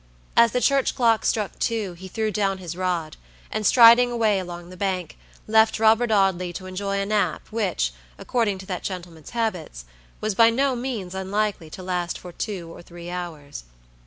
As the church clock struck two he threw down his rod, and, striding away along the bank, left Robert Audley to enjoy a nap which, according to that gentleman's habits, was by no means unlikely to last for two or three hours.